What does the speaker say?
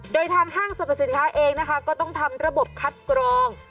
โดยทางห้างสรรพสินค้าเองนะคะก็ต้องทำระบบคัดกรอง